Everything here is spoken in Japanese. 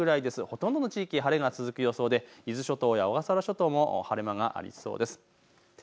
ほとんどの地域晴れが続く予想で伊豆諸島や小笠原諸島も晴れ間がありそうです。